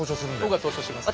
僕が投書します。